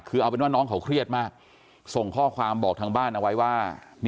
คือเอาเป็นว่าน้องเขาเครียดมากส่งข้อความบอกทางบ้านเอาไว้ว่า